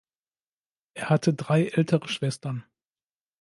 Er hatte drei ältere Schwestern.